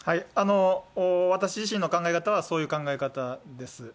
私自身の考え方はそういう考え方です。